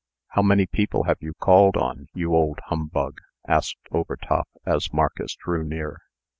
"How many people have you called on, you old humbug?" asked Overtop, as Marcus drew near.